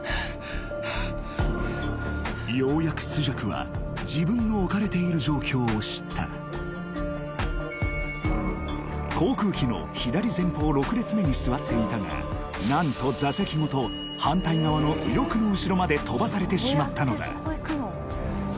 ようやく朱雀は自分の置かれている状況を知った航空機の左前方６列目に座っていたが何と座席ごと反対側の右翼の後ろまで飛ばされてしまったのだ